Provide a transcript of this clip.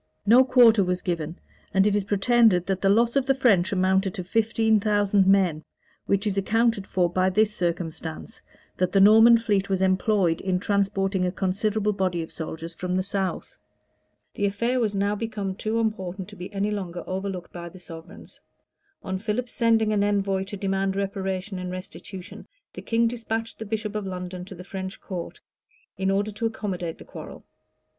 [] No quarter was given; and it is pretended that the loss of the French amounted to fifteen thousand men; which is accounted for by this circumstance, that the Norman fleet was employed in transporting a considerable body of soldiers from the south. The affair was now become too important to be any longer overlooked by the sovereigns. On Philip's sending an envoy to demand reparation and restitution, the king despatched the bishop of London to the French court, in order to accommodate the quarrel.